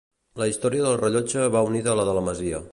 La història del rellotge va unida a la de la masia.